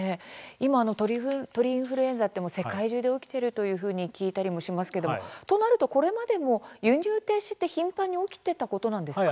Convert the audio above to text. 今鳥インフルエンザって世界中で起きているというふうに聞いたりもしますけれどとなるとこれまでも輸入停止は頻繁に起きていたことなんですか。